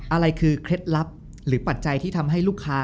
อะไรคือเคล็ดลับหรือปัจจัยที่ทำให้ลูกค้า